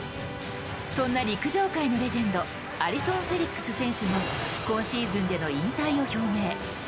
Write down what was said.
そんな陸上界のレジェンド、アリソン・フェリックス選手も今シーズンでの引退を表明。